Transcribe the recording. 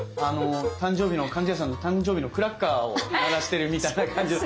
貫地谷さんの誕生日のクラッカーを鳴らしてるみたいな感じの。